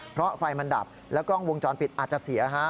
เพราะไฟมันดับแล้วกล้องวงจรปิดอาจจะเสียฮะ